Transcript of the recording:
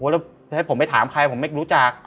แล้วให้ผมไปถามใครผมไม่รู้จัก